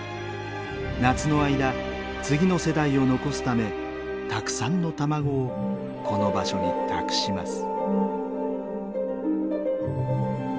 夏の間次の世代を残すためたくさんの卵をこの場所に託します。